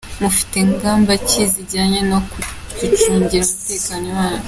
Mufite ngamba ki zijyanye no kwicungira umutekano wanyu ?